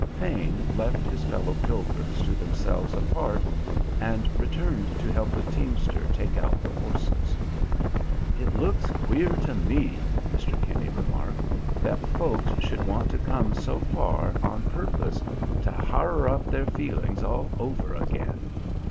Thane left his fellow pilgrims to themselves apart, and returned to help the teamster take out the horses. "It looks queer to me," Mr. Kinney remarked, "that folks should want to come so far on purpose to harrer up their feelin's all over again.